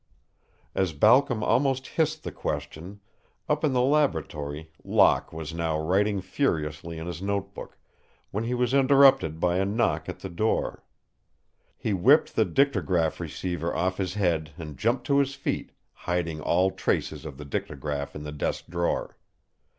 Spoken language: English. As Balcom almost hissed the question, up in the laboratory Locke was now writing furiously in his note book, when he was interrupted by a knock at the door. He whipped the dictagraph receiver off his head and jumped to his feet, hiding all traces of the dictagraph in the desk drawer.